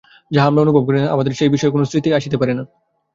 যাহা আমরা অনুভব করি না, আমাদের সেই বিষয়ের কোন স্মৃতি আসিতে পারে না।